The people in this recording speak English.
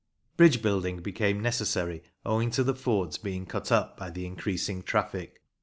Bridge building became necessary owing to the fords being cut up by the increasing traffic.